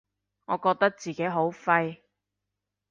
我覺得自己好廢